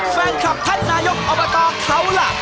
แฟนคลับท่านนายกอบตเขาล่ะ